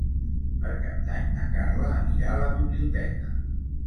Per Cap d'Any na Carla anirà a la biblioteca.